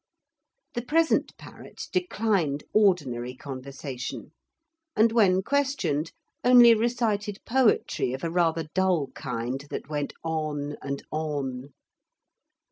The present parrot declined ordinary conversation, and when questioned only recited poetry of a rather dull kind that went on and on.